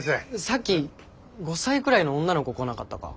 さっき５歳くらいの女の子来なかったか？